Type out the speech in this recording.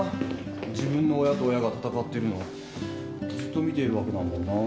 自分の親と親が闘っているのずっと見ているわけなんだよな。